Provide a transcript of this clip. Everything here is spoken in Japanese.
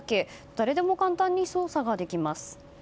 誰でも簡単に操作ができます。